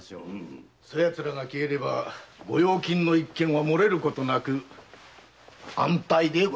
そやつらが消えれば御用金の一件は漏れることなく安泰です。